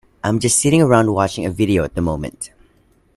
I'm just sitting around watching a video at the moment.